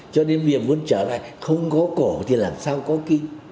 cho nên việc muốn trở lại không có cổ thì làm sao có kinh